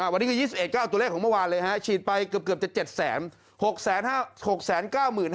วันนี้คือ๒๑๙เอาตัวเลขของเมื่อวานเลยฉีดไปเกือบจะ๗๖๕